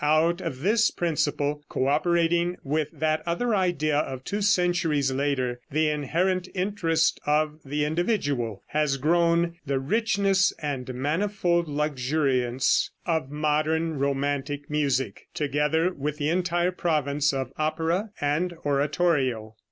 Out of this principle, co operating with that other idea of two centuries later, the inherent interest of the individual, has grown the richness and manifold luxuriance of modern romantic music, together with the entire province of opera and oratorio.